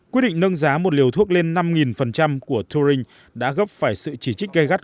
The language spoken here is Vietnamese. quyết định nâng giá một liều thuốc lên năm của thuring đã gấp phải sự chỉ trích gây gắt